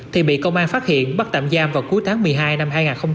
thì bị công an phát hiện bắt tạm giam vào cuối tháng một mươi hai năm hai nghìn hai mươi ba